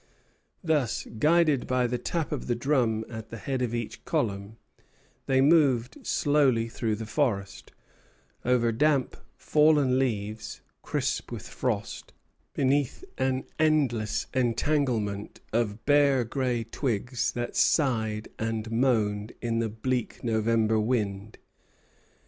Thus, guided by the tap of the drum at the head of each column, they moved slowly through the forest, over damp, fallen leaves, crisp with frost, beneath an endless entanglement of bare gray twigs that sighed and moaned in the bleak November wind.